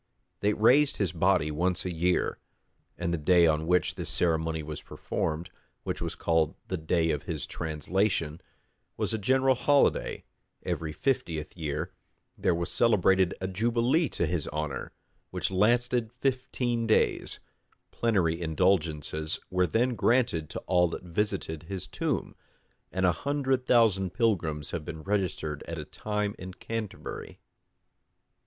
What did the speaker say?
They raised his body once a year; and the day on which this ceremony was performed, which was called the day of his translation, was a general holiday: every fiftieth year there was celebrated a jubilee to his honor, which lasted fifteen days: plenary indulgences were then granted to all that visited his tomb; and a hundred thousand pilgrims have been registered at a time in Canterbury.